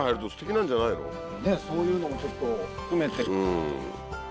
そういうのもちょっと含めて。